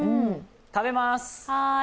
食べます！